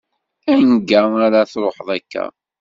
Anga ar ad tṛuḥeḍ akka?